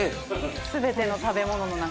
全ての食べ物の中で。